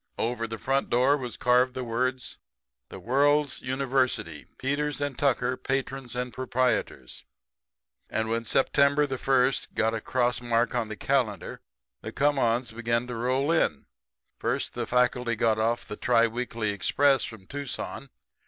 Over the front door was carved the words: 'The World's University; Peters & Tucker, Patrons and Proprietors. And when September the first got a cross mark on the calendar, the come ons begun to roll in. First the faculty got off the tri weekly express from Tucson.